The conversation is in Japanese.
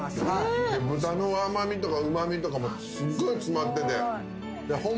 豚の甘味とかうま味とかすごい詰まってて。